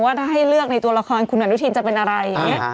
ว่าถ้าให้เลือกในตัวละครคุณอนุทินจะเป็นอะไรอย่างนี้